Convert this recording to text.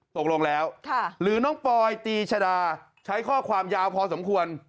ตกลงแล้วหรือน้องปอยตีชดาใช้ข้อความยาวพอสมควร